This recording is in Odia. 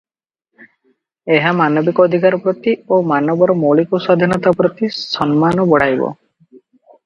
ଏହା ମାନବିକ ଅଧିକାର ପ୍ରତି ଓ ମାନବର ମୌଳିକ ସ୍ୱାଧୀନତା ପ୍ରତି ସମ୍ମାନ ବଢ଼ାଇବ ।